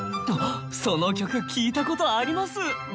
あっその曲聴いたことあります！